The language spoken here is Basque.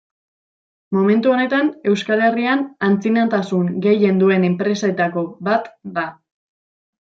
Momentu honetan Euskal Herrian antzinatasun gehien duen enpresetako bat da.